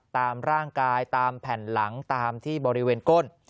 ตามร่างกายตามแผ่นหลังตามที่บริเวณก้น